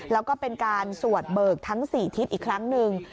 แล้วก็เป็นการสวดเบิกทั้ง๔ทิศอีกครั้งหนึ่ง